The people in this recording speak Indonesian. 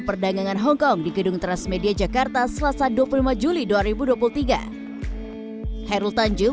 perdagangan hongkong di gedung transmedia jakarta selasa dua puluh lima juli dua ribu dua puluh tiga hairul tanjung